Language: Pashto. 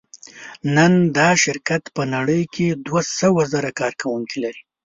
نن دا شرکت په نړۍ کې دوهسوهزره کارکوونکي لري.